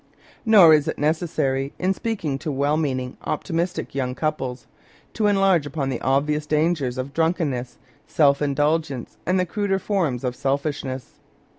Nor is it necessary, in speaking to well meaning, optimistic young couples, to enlarge upon the obvious dangers of drunkenness, self indulgence, and the cruder forms of selfishness.